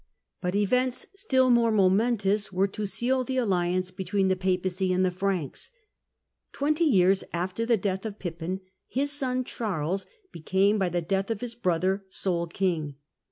But events still more momentous were to seal the alliance between the Papacy and the Pranks. Twenty 8. Charles J^^rs after the death of Pippin his son the Great Oharlcs became by the death of his brother sole king.